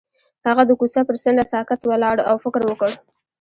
هغه د کوڅه پر څنډه ساکت ولاړ او فکر وکړ.